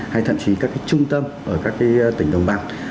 hay thậm chí các cái trung tâm ở các cái tỉnh đồng bằng